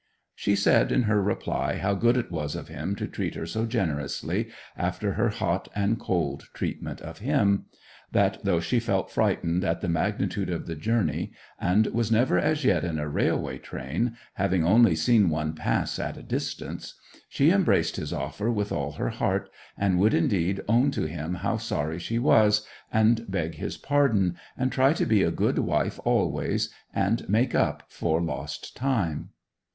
She said in her reply how good it was of him to treat her so generously, after her hot and cold treatment of him; that though she felt frightened at the magnitude of the journey, and was never as yet in a railway train, having only seen one pass at a distance, she embraced his offer with all her heart; and would, indeed, own to him how sorry she was, and beg his pardon, and try to be a good wife always, and make up for lost time.